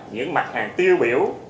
những mặt hàng tiêu biểu